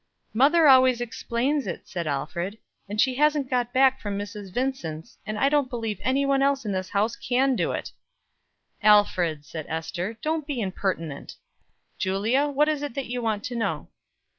"Mother always explains it," said Alfred, "and she hasn't got back from Mrs. Vincent's; and I don't believe anyone else in this house can do it." "Alfred," said Ester, "don't be impertinent. Julia, what is that you want to know?"